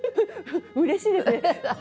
うれしいですね。